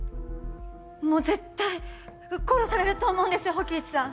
もう絶対殺されると思うんです火鬼壱さん。